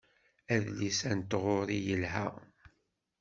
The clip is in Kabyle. Adlis-a n tɣuri yelha.